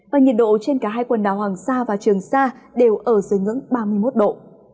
và nhiệt độ trên cả hai quần đảo hoàng sa và trường sa đều ở dưới ngưỡng ba mươi một độ